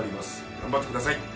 頑張ってください。